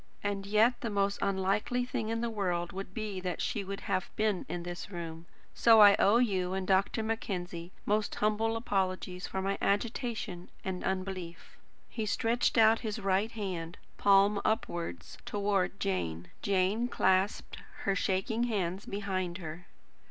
And yet the most unlikely thing in the world would be that she should have been in this room. So I owe you and Dr. Mackenzie most humble apologies for my agitation and unbelief." He stretched out his right hand, palm upwards, towards Jane. Jane clasped her shaking hands behind her.